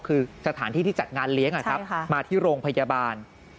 คือสถานที่ที่จัดงานเลี้ยงมาที่โรงพยาบาล